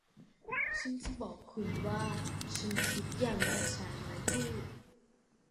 ฉันจะบอกคุณว่าฉันคิดอย่างไรชายน้อยพูด